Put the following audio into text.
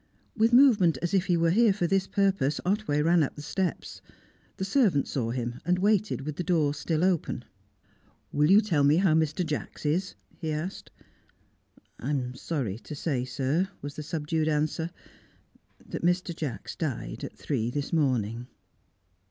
With movement as if he were here for this purpose, Otway ran up the steps; the servant saw him, and waited with the door still open. "Will you tell me how Mr. Jacks is?" he asked. "I am sorry to say, sir," was the subdued answer, "that Mr. Jacks died at three this morning."